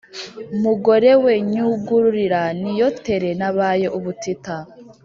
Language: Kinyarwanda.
"mugore we nyugururira niyotere nabaye ubutita."